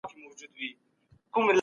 جزيه د نظام د ملاتړ لپاره ده.